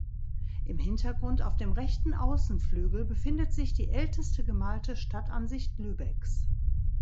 Im Hintergrund auf dem rechten Außenflügel befindet sich die älteste gemalte Stadtansicht Lübecks.